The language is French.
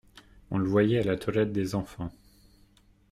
On le voyait à la toilette des enfants.